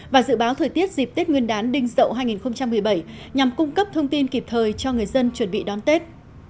và dự báo thời tiết dịp tết nguyên đán đinh dậu hai nghìn một mươi bảy nhằm cung cấp thông tin kịp thời cho người dân chuẩn bị đón tết